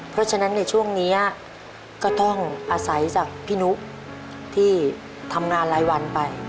เพราะฉะนั้นในช่วงนี้ก็ต้องอาศัยจากพี่นุที่ทำงานรายวันไป